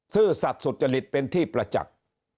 ซื่อสัตว์สุจริตเป็นที่ประจักษ์